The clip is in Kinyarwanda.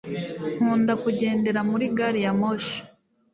Nkunda kugendera muri gari ya moshi